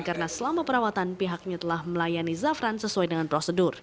karena selama perawatan pihaknya telah melayani zafran sesuai dengan prosedur